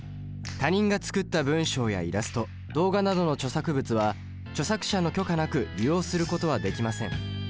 他人が作った文章やイラスト動画などの著作物は著作者の許可なく利用することはできません。